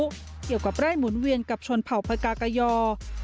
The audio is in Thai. เกี่ยวกับไร่หมุนเวียนกับชนเผ่าพกากยอร์